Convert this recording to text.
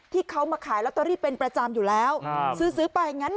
ที่เขามาขายลอตเตอรี่เป็นประจำอยู่แล้วซื้อซื้อไปอย่างนั้น